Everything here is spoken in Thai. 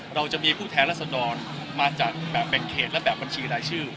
จะมีผู้แทนรัศดรมาจัดแบบแบ่งเขตและแบบบัญชีรายชื่อ